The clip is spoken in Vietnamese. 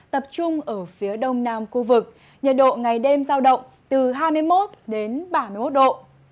tập trung ở phía đông nam khu vực nhiệt độ ngày đêm giao động từ hai mươi một đến ba mươi một độ